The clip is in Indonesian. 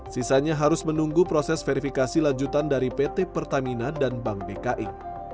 sisanya harus menunggu proses verifikasi lanjutan dari pt pertamina dan bank dki